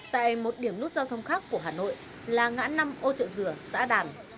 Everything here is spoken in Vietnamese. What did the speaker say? tại một điểm nút giao thông khác của hà nội là ngã năm ô trợ dừa xã đàn